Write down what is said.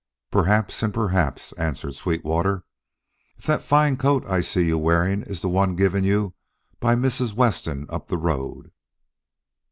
"Perhaps and perhaps," answered Sweetwater, " if that fine coat I see you wearing is the one given you by Mrs. Weston up the road."